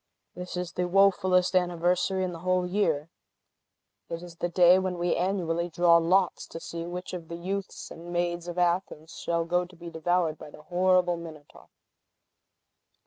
This is the wofulest anniversary in the whole year. It is the day when we annually draw lots to see which of the youths and maids of Athens shall go to be devoured by the horrible Minotaur!"